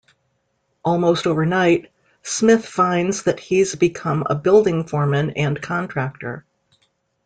Almost overnight, Smith finds that he's become a building foreman and contractor.